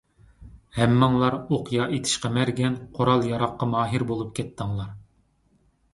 ھەممىڭلار ئوقيا ئېتىشقا مەرگەن، قورال - ياراغقا ماھىر بولۇپ كەتتىڭلار.